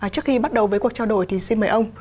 trước khi bắt đầu với cuộc trao đổi thì xin mời ông